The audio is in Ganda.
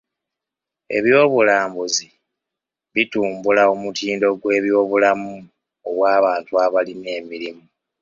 Eby'obulambuzi bitumbula omutindo gw'ebyobulamu obw'abantu abalina emirimu.